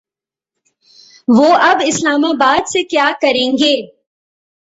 وہ اب اسلام آباد سے کیا کریں گے۔